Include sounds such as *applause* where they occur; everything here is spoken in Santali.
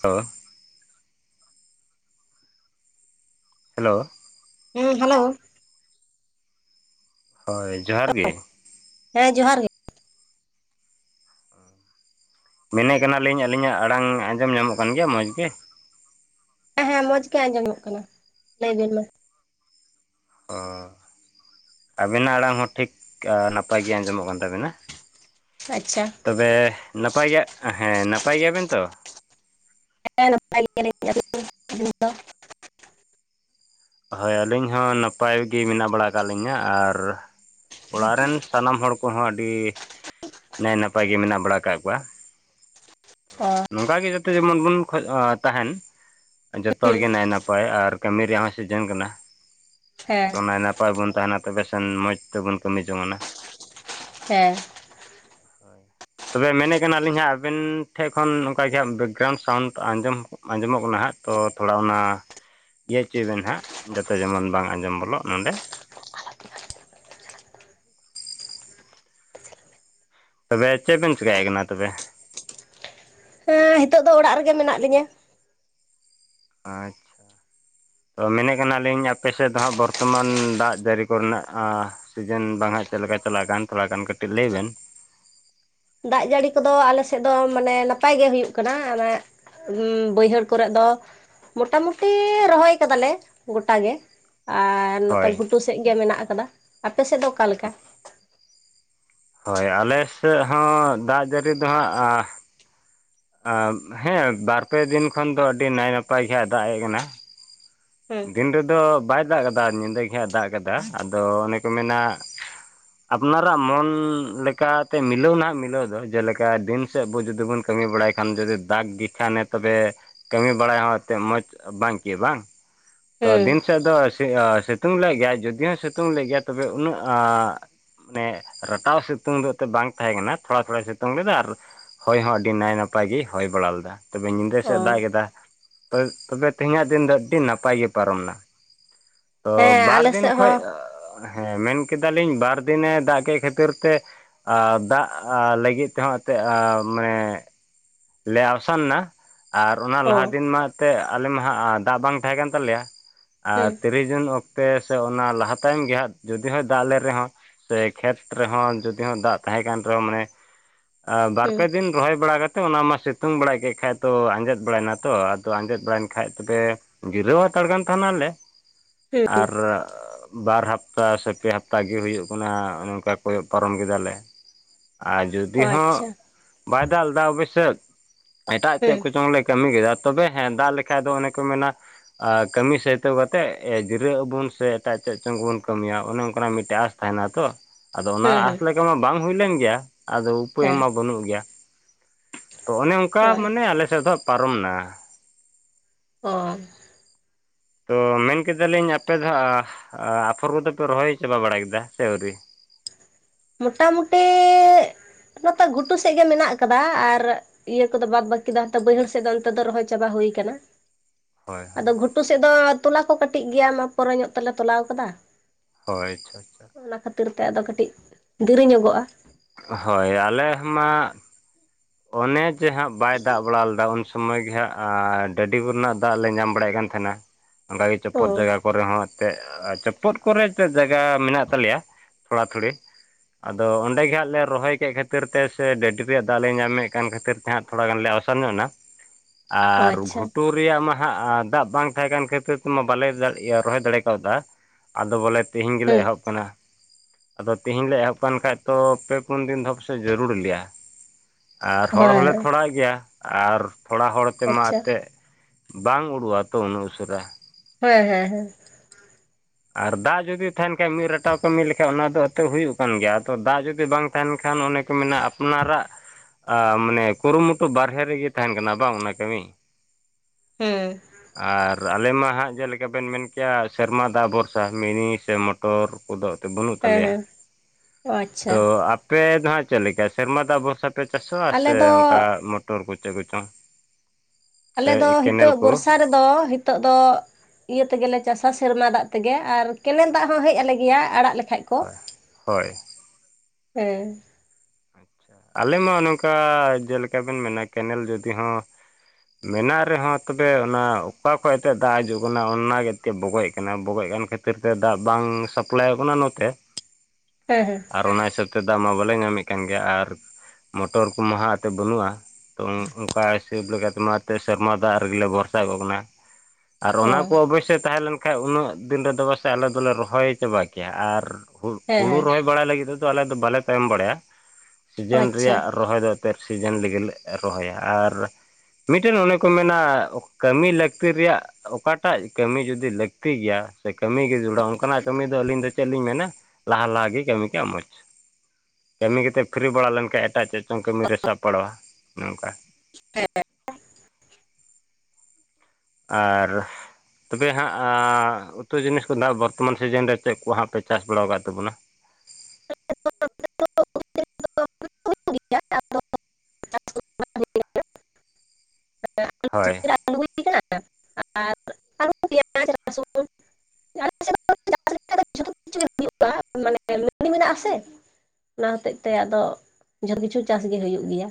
ᱦᱚᱸ ᱾ ᱦᱮᱞᱳ ᱾ ᱦᱮᱸ ᱦᱮᱞᱳ ᱾ ᱦᱳᱭ ᱡᱚᱦᱟᱨ ᱜᱮ ᱾ ᱦᱮᱸ ᱡᱚᱦᱟᱨ ᱜᱮ ᱾ ᱢᱮᱱᱮᱫ ᱠᱟᱱᱟᱞᱤᱧ ᱟᱹᱞᱤᱧᱟᱜ ᱟᱲᱟᱝ ᱟᱸᱡᱚᱢ ᱧᱟᱢᱚᱜ ᱠᱟᱱ ᱜᱮᱭᱟ ᱢᱚᱡᱽ ᱜᱮ? ᱦᱮᱸ ᱦᱮᱸ ᱢᱚᱡᱽ ᱜᱮ ᱟᱸᱡᱚᱢᱚᱜ ᱠᱟᱱᱟ ᱞᱟᱹᱭ ᱵᱮᱱ ᱢᱟ ᱾ ᱚ ᱾ ᱟᱵᱤᱱᱟᱜ ᱟᱲᱟᱝ ᱦᱚᱸ ᱴᱷᱤᱠ ᱱᱟᱯᱟᱭ ᱜᱮ ᱟᱸᱡᱚᱢᱚᱜ ᱠᱟᱱ ᱛᱟᱵᱤᱱᱟ ᱾ ᱟᱪᱪᱷᱟ ᱾ ᱛᱚᱵᱮ ᱱᱟᱯᱟᱭ ᱜᱮᱭᱟ ᱦᱮᱸ ᱱᱟᱯᱟᱭ ᱜᱮᱭᱟᱵᱮᱱ ᱛᱚ? ᱦᱮᱸ ᱱᱟᱯᱟᱭ ᱜᱮᱭᱟ ᱞᱤᱧ, ᱟᱵᱤᱱ ᱫᱚ? ᱦᱳᱭ, ᱟᱹᱞᱤᱧ ᱦᱚᱸ ᱱᱟᱯᱟᱭ ᱜᱮ ᱢᱮᱱᱟᱜ ᱵᱟᱲᱟ ᱟᱠᱟᱫ ᱞᱤᱧᱟᱹ ᱟᱨ ᱚᱲᱟᱜ ᱨᱮᱱ ᱥᱟᱱᱟᱢ ᱦᱚᱲ ᱠᱚᱦᱚᱸ ᱟᱹᱰᱤ ᱱᱟᱭ ᱱᱟᱯᱟᱭ ᱜᱮ ᱢᱮᱱᱟᱜ ᱵᱟᱲᱟ ᱟᱠᱟᱫ ᱠᱚᱣᱟ? *inaudible* ᱱᱚᱝᱠᱟ ᱜᱮ ᱡᱚᱛᱚ ᱡᱮᱢᱚᱱ ᱵᱚᱱ *inaudible* ᱛᱟᱸᱦᱮᱱ ᱡᱚᱛᱚ ᱦᱚᱲ ᱦᱩᱸ, ᱜᱮ ᱱᱟᱭ ᱱᱟᱯᱟᱭ ᱟᱨ ᱠᱟᱹᱢᱤ ᱨᱮᱦᱚᱸ ᱥᱤᱡᱚᱱ ᱠᱟᱱᱟ ᱦᱮᱸ ᱚᱱᱟ ᱱᱟᱯᱟᱭ ᱵᱚᱱ ᱛᱟᱸᱦᱮᱱᱟ ᱛᱚᱵᱮ ᱥᱮᱱ ᱢᱚᱡᱽ ᱛᱮᱵᱚᱱ ᱠᱟᱹᱢᱤ ᱡᱚᱝᱟᱱᱟ ᱾ ᱦᱮᱸ ᱾ ᱦᱳᱭ ᱛᱚᱵᱮ ᱢᱮᱱᱮᱫ ᱠᱟᱱᱟᱹᱞᱤᱧ ᱦᱟᱸᱜ ᱟᱵᱮᱱ ᱴᱷᱮᱡ ᱠᱷᱚᱱ ᱚᱱᱠᱟ ᱡᱟᱦᱟ ᱵᱮᱠᱜᱨᱟᱣᱩᱱᱰ ᱥᱟᱣᱩᱱᱰ ᱟᱸᱡᱚᱢ ᱟᱸᱡᱚᱢᱚᱜ ᱠᱟᱱᱟ ᱦᱟᱸᱜ ᱛᱚ ᱛᱷᱚᱲᱟ ᱚᱱᱟ ᱾ ᱤᱭᱟᱹ ᱚᱪᱚᱭ ᱵᱮᱱ ᱦᱟᱸᱜ ᱡᱟᱛᱮ ᱡᱮᱢᱚᱱ ᱵᱟᱝ ᱟᱸᱡᱚᱢ ᱵᱚᱞᱚᱜ ᱱᱚᱰᱮ ᱛᱚᱵᱮ ᱪᱮᱫ ᱵᱮᱱ ᱪᱮᱠᱟᱭ ᱠᱟᱱᱟ ᱛᱚᱵᱮ ᱱᱤᱛᱚᱜ ᱫᱚ ᱚᱲᱟᱜ ᱨᱮᱜᱮ ᱢᱮᱱᱟᱜ ᱞᱤᱧᱟᱹ ᱟᱸᱡᱪᱷᱟ ᱛᱚ ᱢᱮᱱᱮᱫ ᱠᱟᱱᱟᱞᱤᱧ ᱟᱯᱮ ᱥᱮᱫ ᱫᱚ ᱦᱟᱸᱜ ᱵᱚᱨᱛᱚᱢᱟᱱ ᱫᱟᱜ ᱡᱟᱹᱨᱤ ᱠᱚᱨᱮᱱᱟᱜ ᱟᱸ ᱥᱤᱡᱮᱱ ᱵᱟᱝᱦᱟᱸᱜ ᱪᱮᱫ ᱞᱮᱠᱟ ᱪᱟᱞᱟᱜ ᱠᱟᱱ ᱛᱷᱚᱲᱟ ᱜᱟᱱ ᱠᱟᱹᱴᱤᱡ ᱞᱟᱹᱭ ᱵᱮᱱ ᱫᱟᱜ ᱡᱟᱹᱲᱤ ᱠᱚᱫᱚ ᱟᱞᱮ ᱥᱮᱫ ᱫᱚ ᱢᱟᱱᱮ ᱱᱟᱯᱟᱭ ᱜᱮ ᱦᱩᱭᱩᱜ ᱠᱟᱱᱟ ᱢᱟᱱᱮ ᱩᱸᱜ ᱵᱟᱹᱭᱦᱟᱹᱲ ᱠᱚᱨᱮ ᱫᱚ ᱢᱚᱴᱟᱢᱩᱴᱤ ᱨᱚᱦᱚᱭ ᱠᱟᱫᱟᱞᱮ ᱜᱚᱴᱟᱜᱮ ᱟᱨ ᱱᱚᱛᱮ ᱦᱳᱭ ᱜᱷᱩᱴᱩ ᱥᱮᱫ ᱜᱮ ᱢᱮᱱᱟᱜ ᱟᱠᱟᱫᱟ ᱟᱯᱮ ᱥᱮᱫ ᱫᱚ ᱚᱠᱟᱞᱮᱠᱟ? ᱦᱳᱭ ᱟᱞᱮ ᱥᱮᱫ ᱦᱚᱸ ᱫᱟᱜ ᱡᱟᱹᱨᱤ ᱫᱚ ᱦᱟᱸᱜ ᱟᱸᱦ ᱟᱸᱜ ᱦᱮᱸ ᱵᱟᱨᱯᱮ ᱫᱤᱱ ᱠᱷᱚᱱ ᱫᱚ ᱟᱹᱰᱤ ᱱᱟᱭ ᱱᱟᱯᱟᱭ ᱜᱮᱦᱟᱸᱜ ᱫᱟᱜ ᱮᱜ ᱠᱟᱱᱟ ᱦᱩᱸ ᱫᱤᱱ ᱨᱮᱫᱚ ᱵᱟᱭ ᱫᱟᱜ ᱠᱟᱫᱟ ᱧᱤᱫᱟᱹ ᱜᱮᱦᱟᱜ ᱫᱟᱜ ᱠᱟᱫᱟ ᱟᱫᱚ ᱚᱱᱮ ᱠᱩ ᱢᱮᱱᱟ ᱟᱯᱱᱟᱨᱟᱜ ᱢᱚᱱ ᱞᱮᱠᱟᱛᱮ ᱢᱤᱞᱟᱹᱣ ᱱᱟᱦᱟᱜ ᱢᱤᱞᱟᱹᱣ ᱫᱚ ᱡᱮᱞᱮᱠᱟ ᱫᱤᱱ ᱥᱮᱫ ᱵᱚ ᱡᱩᱫᱤ ᱵᱚᱱ ᱠᱟᱹᱢᱤ ᱵᱟᱲᱟᱭ ᱠᱷᱟᱱ ᱡᱩᱫᱤ ᱫᱟᱜᱽ ᱜᱮ ᱠᱷᱟᱱᱮ ᱛᱚᱵᱮ ᱠᱟᱹᱢᱤ ᱵᱟᱲᱟᱭ ᱦᱚᱸ ᱮᱛᱮᱜ ᱢᱚᱪ ᱵᱟᱝ ᱤᱠᱟᱹᱜᱼᱟ ᱵᱟᱝ ᱛᱚ ᱫᱤᱱ ᱦᱩᱸ ᱥᱮᱫ ᱫᱚ ᱥᱤ ᱤᱭᱟᱹ ᱥᱤᱛᱩᱝ ᱞᱮᱫ ᱜᱮᱭᱟᱭ ᱡᱩᱫᱤ ᱦᱚᱸ ᱥᱤᱛᱩᱝ ᱞᱮᱫ ᱜᱮᱭᱟ ᱛᱚᱵᱮ ᱩᱱᱟᱹᱜ ᱟᱜ ᱢᱟᱱᱮ ᱨᱟᱴᱟᱣ ᱥᱤᱛᱩᱝ ᱫᱚ ᱮᱛᱮᱫ ᱵᱟᱝ ᱛᱟᱦᱮᱸ ᱠᱟᱱᱟ ᱛᱷᱚᱲᱟ ᱛᱷᱚᱲᱟᱭ ᱥᱤᱛᱩᱝ ᱞᱮᱫᱟ ᱟᱨ ᱦᱚᱭ ᱦᱚᱸ ᱟᱹᱰᱤ ᱱᱟᱭ ᱱᱟᱯᱟᱭ ᱜᱤ ᱦᱚᱭ ᱵᱟᱲᱟ ᱞᱮᱫᱟ᱾ ᱛᱚᱵᱮ ᱧᱤᱫᱟᱹ ᱚ ᱥᱮᱫ ᱫᱟᱜ ᱠᱮᱫᱟ ᱛᱚ ᱛᱚᱵᱮ ᱛᱮᱦᱮᱧᱟᱜ ᱫᱤᱱ ᱫᱚ ᱟᱹᱰᱤ ᱱᱟᱯᱟᱭ ᱜᱮ ᱯᱟᱨᱚᱢ ᱱᱟ ᱛᱚ ᱦᱮᱸ ᱵᱟᱨ ᱟᱞᱮ ᱫᱤᱱ ᱥᱮᱫ ᱠᱷᱚᱡ ᱦᱚᱸ ᱟᱹᱜ ᱦᱮᱸ ᱢᱮᱱ ᱠᱮᱫᱟᱞᱤᱧ ᱵᱟᱨ ᱫᱤᱱᱮ ᱫᱟᱜ ᱠᱮᱫ ᱠᱷᱟᱹᱛᱤᱨ ᱛᱮ ᱟᱨ ᱫᱟᱜ ᱞᱟᱹᱜᱤᱫ ᱛᱮᱦᱚᱸ ᱮᱛᱮᱫ ᱢᱟᱱᱮ ᱞᱮ ᱟᱣᱥᱟᱱᱮᱱᱟ ᱟᱨ ᱚᱱᱟ ᱚ ᱞᱟᱦᱟ ᱫᱤᱱ ᱢᱟ ᱛᱮᱫ ᱟᱞᱮ ᱢᱟ ᱦᱟᱸᱜ ᱟ ᱫᱟᱜ ᱵᱟᱝ ᱛᱟᱦᱮᱸ ᱠᱟᱱ ᱛᱟᱞᱮᱭᱟ ᱟᱨ ᱦᱩᱸ ᱛᱤᱨᱤᱡ ᱡᱩᱱ ᱚᱠᱛᱮ ᱥᱮ ᱚᱱᱟ ᱞᱟᱦᱟ ᱛᱟᱭᱚᱢ ᱜᱮ ᱦᱟᱸᱜ ᱡᱩᱫᱤ ᱦᱚᱸᱭ ᱫᱟᱜ ᱞᱮ ᱨᱮᱦᱚᱸ ᱥᱮ ᱠᱷᱮᱛ ᱨᱮᱦᱚᱸ ᱡᱩᱫᱤ ᱦᱚᱸ ᱫᱟᱜ ᱛᱟᱦᱮᱸ ᱠᱷᱮᱛ ᱨᱮᱦᱚᱸ ᱡᱩᱫᱤ ᱢᱟᱱᱮ ᱟ ᱦᱩᱸ ᱵᱟᱨᱯᱮ ᱫᱤᱱ ᱨᱚᱦᱚᱭ ᱵᱟᱲᱟ ᱠᱟᱛ ᱛᱚ ᱚᱱᱟ ᱢᱟ ᱥᱤᱛᱩᱝ ᱵᱟᱲᱟᱭ ᱠᱮᱫ ᱠᱷᱟᱡ ᱛᱚ ᱟᱸᱡᱮᱫ ᱥᱤᱛᱩᱢ ᱵᱟᱲᱟᱭᱮᱱᱟ ᱛᱚ ᱟᱫᱚ ᱟᱸᱡᱮᱫ ᱵᱟᱲᱟᱭᱮᱱ ᱠᱷᱟᱡ ᱛᱚᱵᱮ ᱡᱤᱨᱟᱹᱣ ᱦᱟᱛᱟᱲ ᱠᱟᱱ ᱛᱟᱦᱮᱱᱟᱞᱮ ᱦᱩᱸ ᱟᱨ ᱵᱟᱨ ᱦᱟᱯ ᱦᱟᱯᱛᱟ ᱥᱮ ᱯᱮ ᱦᱟᱯᱛᱟ ᱜᱮ ᱦᱩᱭᱩᱜ ᱠᱟᱱᱟ ᱚᱱᱮ ᱚᱝᱠᱟ ᱠᱚᱭᱚᱜ ᱯᱟᱨᱚᱢ ᱠᱮᱫᱟᱞᱮ ᱟᱨ ᱚ ᱡᱩᱫᱤ ᱦᱚᱸ ᱟᱪᱪᱷᱟ ᱵᱟᱭ ᱫᱟᱜ ᱞᱮᱫᱟ ᱚᱵᱚᱭᱥᱮ ᱮᱴᱟᱜ ᱪᱮᱫ ᱦᱩᱸ ᱠᱚᱪᱚᱝ ᱞᱮ ᱠᱟᱹᱢᱤ ᱠᱮᱫᱟ ᱛᱚᱵᱮ ᱦᱮᱸ ᱫᱟᱜ ᱞᱮᱠᱷᱟᱡ ᱫᱚ ᱚᱱᱮ ᱠᱩ ᱢᱮᱱᱟ ᱟ ᱠᱟᱹᱢᱤ ᱥᱟᱹᱭᱛᱟᱹᱣ ᱠᱟᱛᱮᱫ ᱮ ᱡᱤᱨᱟᱹᱜ ᱟᱹᱵᱩᱱ ᱥᱮ ᱮᱴᱟᱜ ᱪᱮᱫ ᱪᱚᱝ ᱠᱚᱵᱚᱱ ᱠᱟᱹᱢᱤᱭᱟ ᱚᱱᱮ ᱚᱱᱠᱟᱱᱟᱜ ᱢᱤᱫᱴᱮᱡ ᱟᱥ ᱛᱟᱦᱮᱱᱟ ᱛᱚ ᱟᱫᱚ ᱚᱱᱟ ᱦᱩᱸ ᱟᱥ ᱦᱩᱸ ᱞᱮᱠᱟ ᱢᱟ ᱵᱟᱝ ᱦᱩᱭᱞᱮᱱ ᱜᱮᱭᱟ ᱟᱫᱚ ᱩᱯᱟᱹᱭ ᱦᱮᱸ ᱮᱢ ᱢᱟ ᱵᱟᱹᱱᱩᱜ ᱜᱮᱭᱟ ᱛᱚ ᱚᱱᱮ ᱚᱝᱠᱟ ᱚ ᱢᱟᱱᱮ ᱟᱪᱪᱷᱟ ᱟᱞᱮ ᱥᱮᱫ ᱫᱚ ᱯᱟᱨᱚᱢ ᱱᱟ ᱟᱝ ᱛᱚ ᱢᱮᱱ ᱠᱮᱫᱟᱞᱤᱧ ᱟᱯᱮ ᱫᱚ ᱦᱟᱸᱜ ᱟ ᱟᱯᱷᱚᱨ ᱠᱚᱫᱚ ᱯᱮ ᱨᱚᱦᱚᱭ ᱪᱟᱵᱟ ᱵᱟᱲᱟ ᱠᱮᱫᱟ ᱥᱮ ᱟᱹᱣᱨᱤ ᱢᱚᱴᱟᱢᱩᱴᱤ ᱱᱚᱛᱮ ᱜᱷᱩᱴᱩ ᱥᱮᱫ ᱜᱮ ᱢᱮᱱᱟᱜ ᱟᱠᱟᱫᱟ ᱟᱨ ᱤᱭᱟᱹ ᱠᱚᱫᱚ ᱵᱟᱫᱽ ᱵᱟᱹᱠᱤ ᱫᱚ ᱟᱛᱚᱜ ᱵᱟᱹᱭᱦᱟᱹᱲ ᱥᱮᱫ ᱫᱚ ᱚᱱᱛᱮ ᱫᱚ ᱨᱚᱦᱚᱭ ᱪᱟᱵᱟ ᱦᱩᱭ ᱠᱟᱱᱟ ᱦᱳᱭ ᱦᱳᱭ ᱟᱫᱚ ᱜᱷᱩᱴᱩ ᱥᱮᱫ ᱫᱚ ᱛᱚᱞᱟ ᱠᱚ ᱠᱟᱹᱴᱤᱡ ᱜᱮᱭᱟ ᱢᱚ ᱯᱚᱨᱮ ᱧᱚᱜ ᱛᱮᱞᱮ ᱛᱚᱞᱟᱣ ᱠᱟᱫᱟ᱾ ᱦᱳᱭ ᱟᱪᱷᱟ ᱟᱪᱷᱟ ᱚᱱᱟ ᱠᱷᱟᱹᱛᱤᱨ ᱛᱮ ᱟᱫᱚ ᱠᱟᱹᱴᱤᱡ ᱫᱤᱨᱤ ᱧᱚᱜᱚᱜᱼᱟ ᱦᱳᱭ ᱟᱞᱮ ᱦᱚᱸᱢᱟ ᱚᱱᱮ ᱡᱮ ᱦᱟᱸᱜ ᱵᱟᱭ ᱫᱟᱜ ᱵᱟᱲᱟ ᱞᱮᱫᱟ ᱩᱱ ᱥᱚ ᱥᱚᱢᱚᱭ ᱜᱮ ᱦᱟᱸᱜ ᱟ ᱰᱟᱹᱰᱤ ᱠᱚᱨᱮᱱᱟᱜ ᱫᱟᱜ ᱞᱮ ᱧᱟᱢ ᱵᱟᱲᱟᱭᱮᱫ ᱠᱟᱱ ᱛᱟᱦᱮᱱᱟ ᱚᱝᱠᱟ ᱜᱮ ᱚ ᱪᱚᱯᱚᱫ ᱡᱟᱭᱜᱟ ᱠᱚ ᱠᱚᱨᱮ ᱦᱚᱸ ᱮᱛᱮᱜ ᱪᱚᱯᱚᱫ ᱠᱚᱨᱮ ᱮᱛᱮᱜ ᱡᱟᱭᱜᱟ ᱢᱮᱱᱟᱜ ᱛᱟᱞᱮᱭᱟ ᱛᱷᱚᱲᱟ ᱛᱷᱩᱲᱤ ᱟᱫᱚ ᱚᱸᱰᱮ ᱜᱮ ᱦᱟᱸᱜ ᱞᱮ ᱨᱚᱦᱚᱭ ᱠᱮᱜ ᱠᱷᱟᱹᱛᱤᱨ ᱛᱮ ᱥᱮ ᱰᱟᱹᱰᱤ ᱨᱮᱭᱟᱜ ᱫᱟᱜ ᱞᱮ ᱧᱟᱢ ᱮᱱᱮ ᱮᱠᱟᱱ ᱠᱷᱟᱹᱛᱤᱨ ᱛᱮ ᱦᱟᱸᱜ ᱛᱷᱚᱲᱟ ᱜᱟᱱ ᱞᱮ ᱟᱣᱥᱟᱱ ᱧᱚᱜ ᱮᱱᱟ ᱟᱨ ᱟᱪᱪᱷᱟ ᱜᱷᱩᱴᱩ ᱨᱮᱭᱟᱜ ᱢᱟ ᱦᱟᱸᱜ ᱫᱟᱜ ᱵᱟᱝ ᱛᱟᱦᱮᱸ ᱠᱟᱱ ᱠᱷᱟᱹᱛᱤᱨ ᱛᱮᱢᱟ ᱵᱟᱞᱮ ᱫᱟ ᱤᱭᱟᱹ ᱨᱚᱦᱚᱭ ᱫᱟᱲᱮ ᱠᱟᱣᱫᱟ ᱟᱫᱚ ᱵᱚᱞᱮ ᱛᱤᱦᱤᱧ ᱜᱮᱞᱮ ᱦᱮᱸ ᱮᱦᱚᱵ ᱠᱟᱱᱟ ᱟᱫᱚ ᱛᱤᱦᱤᱧ ᱞᱮ ᱮᱦᱚᱵ ᱠᱟᱱ ᱠᱷᱟᱡ ᱛᱚ ᱯᱮ ᱯᱩᱱ ᱫᱤᱱ ᱫᱷᱚ ᱯᱟᱥᱮᱜ ᱡᱟᱹᱨᱩᱲ ᱞᱮᱭᱟ ᱟᱨ ᱦᱚᱲ ᱦᱚᱞᱮ ᱦᱮᱸ ᱛᱷᱚᱲᱟᱜ ᱜᱮᱭᱟ ᱟᱨ ᱛᱷᱚᱲᱟ ᱦᱚᱲ ᱛᱮᱢᱟ ᱟᱪᱪᱷᱟ ᱮᱛᱮᱜ ᱵᱟᱝ ᱩᱲᱩᱜᱼᱟ ᱛᱚ ᱩᱱᱟᱹᱜ ᱩᱥᱟᱹᱨᱟ ᱦᱮᱸ ᱦᱮᱸ ᱦᱮᱸ ᱟᱨ ᱫᱟᱜ ᱡᱩᱫᱤ ᱛᱟᱦᱮᱱ ᱠᱷᱟᱡ ᱢᱤᱫ ᱨᱟᱴᱟᱣ ᱠᱟᱹᱢᱤ ᱞᱮᱠᱷᱟᱡ ᱚᱱᱟ ᱨᱮᱫᱚ ᱮᱛᱮᱜ ᱦᱩᱭᱩᱜ ᱠᱟᱱ ᱜᱮᱭᱟ ᱟᱫᱚ ᱫᱟᱜ ᱡᱩᱫᱤ ᱵᱟᱝ ᱛᱟᱦᱮᱱ ᱠᱷᱟᱱ ᱚᱱᱮ ᱠᱚ ᱢᱮᱱᱟ ᱟᱯᱱᱟᱨᱟᱜ ᱟᱻ ᱢᱟᱱᱮ ᱠᱩᱨᱩ ᱢᱩᱴᱩ ᱵᱟᱨᱦᱮ ᱨᱮ ᱜᱮ ᱛᱟᱦᱮᱱ ᱠᱟᱱᱟ ᱵᱟᱝ ᱚᱱᱟ ᱠᱟᱹᱢᱤ ᱦᱮᱸ ᱟᱨ ᱟᱞᱮ ᱢᱟ ᱦᱟᱸᱜ ᱡᱮᱞᱮᱠᱟ ᱵᱮᱱ ᱢᱮᱱ ᱠᱮ-ᱟ ᱥᱮᱨᱢᱟ ᱫᱟᱜ ᱵᱷᱚᱨᱥᱟ ᱢᱤᱱᱤ ᱥᱮ ᱢᱚ ᱴᱚᱨ ᱠᱚᱫᱚ ᱮᱱᱛᱮ ᱵᱟᱱᱩᱜ ᱦᱮᱸ ᱛᱟᱞᱮᱭᱟ ᱦᱮᱸ ᱚ ᱟᱪᱪᱷᱟ ᱛᱚ ᱟᱻ ᱟᱯᱮ ᱫᱚ ᱦᱟᱸᱜ ᱪᱮᱫ ᱞᱮᱠᱟ ᱥᱮᱨᱢᱟ ᱫᱟᱜ ᱵᱷᱚᱨᱥᱟ ᱯᱮ ᱪᱟᱥᱚᱜᱼᱟ ᱟᱞᱮ ᱥᱮ ᱫᱚ ᱚᱝᱠᱟ ᱢᱚᱴᱚᱨ ᱠᱚ ᱪᱮ ᱠᱚᱪᱚᱝ ᱟᱞᱮ ᱥᱮ ᱫᱚ ᱠᱮᱱᱮᱞ ᱦᱤᱛᱳᱜ ᱠᱚ ᱵᱚᱨᱥᱟ ᱨᱮ ᱫᱚ ᱦᱤᱛᱳᱜ ᱫᱚ ᱤᱭᱟᱹ ᱛᱮᱜᱮ ᱞᱮ ᱪᱟᱥᱟ ᱥᱮᱨᱢᱟ ᱫᱟᱜ ᱛᱮᱜᱮ ᱟᱨ ᱠᱮᱱᱮᱞ ᱫᱟᱜ ᱦᱚᱸ ᱦᱮᱡ ᱟᱞᱮ ᱜᱮᱭᱟ ᱟᱲᱟᱜ ᱞᱮᱠᱷᱟᱡ ᱦᱚᱭ ᱦᱳᱭ ᱦᱮᱸᱻ ᱟᱞᱮ ᱢᱟ ᱱᱚᱠᱟ ᱡᱮᱞᱮᱠᱟ ᱵᱮᱱ ᱢᱮᱱᱟ ᱠᱮᱱᱮᱞ ᱡᱩᱫᱤ ᱦᱚᱸ ᱢᱮᱱᱟᱜ ᱨᱮ ᱦᱚᱸ ᱛᱚᱵᱮ ᱚᱱᱟ ᱚᱠᱟ ᱠᱷᱚᱡ ᱮᱛᱮᱫ ᱫᱟᱜ ᱦᱤᱡᱩᱜ ᱠᱟᱱᱟ ᱚᱱᱟᱜ ᱮᱛᱮᱫ ᱵᱚᱜᱚᱡ ᱠᱟᱱᱟ ᱵᱚᱜᱚᱡ ᱠᱟᱱ ᱠᱷᱟᱛ ᱠᱷᱟᱹᱨ ᱛᱮ ᱫᱟᱜ ᱵᱟᱝ ᱥᱟᱯᱞᱟᱭᱚᱜ ᱠᱟᱱᱟ ᱱᱚᱛᱮ ᱦᱮᱸ ᱦᱮᱸ ᱟᱨ ᱚᱱᱟ ᱦᱤᱥᱟᱹᱵᱽ ᱛᱮ ᱫᱟᱜ ᱢᱟ ᱵᱟᱞᱮ ᱧᱟᱢᱮᱫ ᱠᱟᱱ ᱜᱮᱭᱟ ᱟᱨ ᱢᱚᱴᱚᱨ ᱠᱚᱢᱟ ᱦᱟᱸ ᱮᱛᱮᱫ ᱵᱟᱹᱱᱩᱜᱼᱟ ᱛᱚ ᱚᱱᱠᱟ ᱦᱤᱥᱟᱹᱵᱽ ᱞᱮᱠᱟ ᱛᱮᱢᱟ ᱛᱮ ᱥᱮᱨᱢᱟ ᱫᱟᱜ ᱨᱮᱜᱮ ᱞᱮ ᱵᱷᱚᱨᱥᱟ ᱠᱚᱜ ᱠᱟᱱᱟ ᱟᱨ ᱚ ᱚᱱᱟ ᱠᱚ ᱚᱵᱚᱥᱥᱳᱭ ᱛᱟᱦᱮᱸ ᱞᱮᱱ ᱠᱟᱱᱡ ᱩᱱᱟᱹᱜ ᱫᱤᱱ ᱨᱮᱫᱚ ᱵᱟᱥᱮ ᱟᱞᱮ ᱫᱚᱞᱮ ᱨᱚᱦᱚᱭ ᱪᱟᱵᱟ ᱠᱮᱭᱟ ᱟᱨ ᱦᱩᱲ ᱦᱮᱸ ᱦᱩᱲᱩ ᱦᱮᱸ ᱨᱚᱦᱚᱭ ᱵᱟᱲᱟᱭ ᱞᱟᱹᱜᱤᱫ ᱛᱮᱫᱚ ᱟᱞᱮ ᱫᱚ ᱵᱟᱞᱮ ᱛᱟᱭᱚᱢ ᱵᱟᱲᱟᱭᱟ ᱚ ᱥᱤᱡᱮᱱ ᱟᱪᱪᱷᱟ ᱨᱮᱭᱟᱜ ᱨᱚᱦᱚᱭ ᱫᱚ ᱮᱱᱛᱮᱫ ᱥᱤᱡᱮᱱ ᱨᱮᱜᱮ ᱞᱮ ᱨᱚᱦᱚᱭᱟ ᱟᱨ ᱢᱤᱫᱴᱮᱱ ᱚᱱᱮ ᱠᱚ ᱢᱮᱱᱟ ᱠᱟᱹᱢᱤ ᱞᱟᱹᱠᱛᱤ ᱨᱮᱭᱟᱜ ᱚᱠᱟᱴᱟᱜ ᱠᱟᱹᱢᱤ ᱡᱩᱫᱤ ᱞᱟᱹᱠᱛᱤ ᱜᱮᱭᱟ ᱥᱮ ᱠᱟᱹᱢᱤ ᱜᱤ ᱡᱟᱨᱩᱲᱟ ᱚᱱᱠᱟᱱᱟᱜ ᱠᱟᱹᱢᱤ ᱫᱚ ᱟᱹᱞᱤᱧ ᱫᱚ ᱪᱮᱫ ᱞᱤᱧ ᱢᱮᱱᱟ ᱞᱟᱦᱟ ᱞᱟᱦᱟᱜᱤ ᱠᱟᱹᱢᱤ ᱠᱟᱜ ᱢᱚᱡᱽ ᱠᱟᱹᱢᱤ ᱠᱟᱛᱮᱫ ᱯᱷᱨᱤ ᱵᱟᱲᱟ ᱞᱮᱱ ᱠᱷᱟᱡ ᱮᱴᱟᱜ ᱪᱮᱫ ᱪᱚᱝ ᱠᱟᱹᱢᱤ ᱨᱮ ᱥᱟᱯᱲᱟᱣᱟ ᱚᱱᱮ ᱚᱝᱠᱟ ᱦᱮᱸ ᱟᱨᱻ ᱛᱚᱵᱮ ᱦᱟᱸᱜ ᱟᱸ ᱩᱛᱩ ᱡᱤᱱᱤᱥ ᱠᱚ ᱵᱚᱨᱛᱚᱢᱟᱱ ᱥᱤᱡᱤᱱ ᱨᱮ ᱪᱮᱫ ᱠᱚ ᱦᱟᱸᱜ ᱯᱮ ᱪᱟᱥ ᱵᱟᱲᱟᱣ ᱠᱟᱫ ᱛᱟᱵᱚᱱᱟ *unintelligible* *unintelligible* ᱦᱳᱭ *unintelligible* ᱟᱹᱞᱩ *unintelligible* ᱟᱞᱮ ᱥᱮᱫ *unintelligible* ᱦᱩᱲᱩ ᱢᱮᱱᱟᱜ-ᱟ ᱥᱮ ᱚᱱᱟ ᱦᱚᱛᱮᱡ ᱛᱮ ᱟᱫᱚ ᱡᱟ ᱠᱤᱪᱷᱩ ᱪᱟᱥ ᱜᱮ ᱦᱩᱭᱩᱜ ᱜᱮᱭᱟ